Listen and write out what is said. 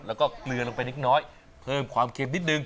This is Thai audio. แล้วก็เกลือลงไปนิดน้อยเพิ่มความเค็มนิดนึง